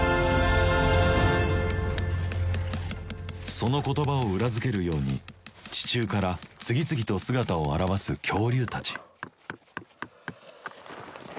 その言葉を裏付けるように地中から次々と姿を現す恐竜たち。